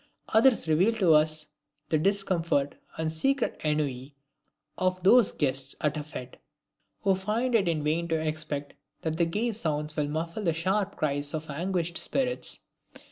Others reveal to us the discomfort and secret ennui of those guests at a fete, who find it in vain to expect that the gay sounds will muffle the sharp cries of anguished spirits.